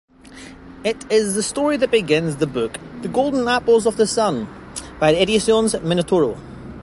It is the story that begins the book “The golden apples of the sun” by Ediciones Minotauro.